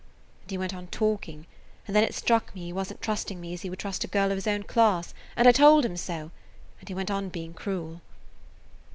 And he went on talking, and then it struck me he wasn't trusting me as he would trust a girl of his own class, and I told him so, and he went on being cruel.